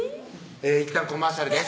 いったんコマーシャルです